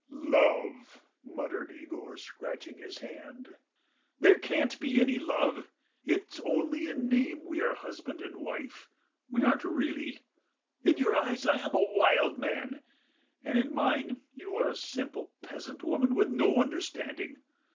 "Love..." muttered Yegor, scratching his hand. "There can't be any love. It's only in name we are husband and wife; we aren't really. In your eyes I am a wild man, and in mine you are a simple peasant woman with no understanding.